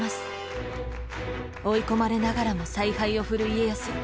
追い込まれながらも采配を振る家康。